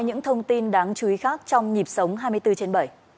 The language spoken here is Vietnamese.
những thông tin đáng chú ý khác trong nhịp sống hai mươi bốn trên bảy